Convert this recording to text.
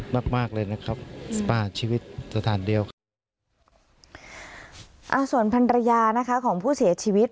มากเลยนะครับสปาชีวิตสถานเดียวครับส่วนภัณฑ์ระยานะคะของผู้เสียชีวิต